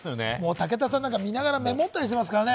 武田さんなんか、見ながらメモったりしていますからね。